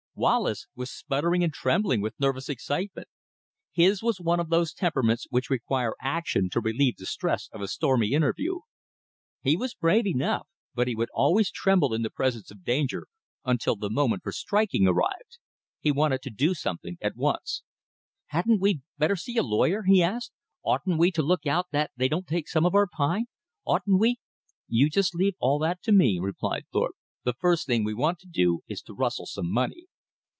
Wallace was sputtering and trembling with nervous excitement. His was one of those temperaments which require action to relieve the stress of a stormy interview. He was brave enough, but he would always tremble in the presence of danger until the moment for striking arrived. He wanted to do something at once. "Hadn't we better see a lawyer?" he asked. "Oughtn't we to look out that they don't take some of our pine? Oughtn't we " "You just leave all that to me," replied Thorpe. "The first thing we want to do is to rustle some money."